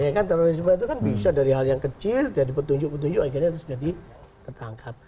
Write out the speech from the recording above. ya kan teroris gue itu bisa dari hal yang kecil dari petunjuk petunjuk akhirnya terus jadi tertangkap